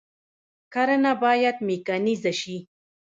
کرنه باید میکانیزه شي